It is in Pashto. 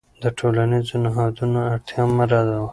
د ټولنیزو نهادونو اړتیا مه ردوه.